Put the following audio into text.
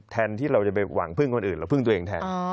แทนที่เราจะไปหวังพึ่งคนอื่นเราพึ่งตัวเองแทน